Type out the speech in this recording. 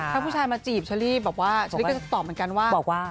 ถ้าผู้ชายมาจีบเฉลี่ยก็จะตอบเหมือนกันว่า